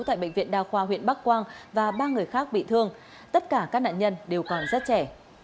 tại bệnh viện đa khoa huyện bắc quang và ba người khác bị thương tất cả các nạn nhân đều còn rất trẻ